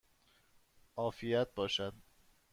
عافیت باشد!